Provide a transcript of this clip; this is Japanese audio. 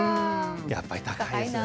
やっぱり高いですね。